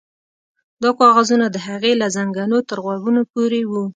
دا کاغذونه د هغې له زنګنو تر غوږونو پورې وو